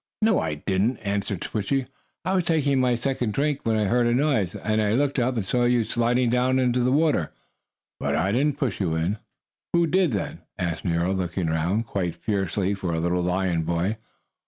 "No, I didn't!" answered Switchie. "I was taking my second drink, when I heard a noise, and I looked up and saw you sliding down into the water. But I didn't push you in." "Who did, then?" asked Nero, looking around, quite fiercely for a little lion boy.